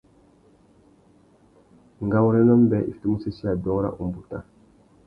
Ngawôrénô mbê i fitimú usésséya dôōng râ umbuta.